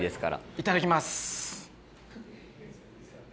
いただきます。